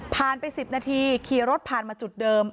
ไป๑๐นาทีขี่รถผ่านมาจุดเดิม